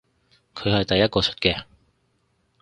佢係第一個出嘅